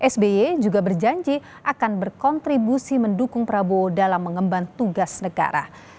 sby juga berjanji akan berkontribusi mendukung prabowo dalam mengemban tugas negara